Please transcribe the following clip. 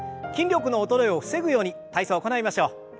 筋力の衰えを防ぐように体操行いましょう。